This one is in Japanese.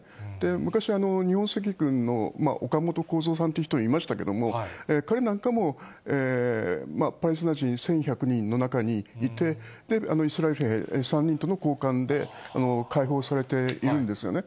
昔、日本赤軍の岡本こうぞうさんという人、いましたけれども、彼なんかも、パレスチナ人１１００人の中にいて、で、イスラエル兵３人との交換で解放されているんですよね。